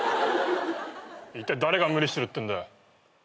いったい誰が無理してるってんだよ。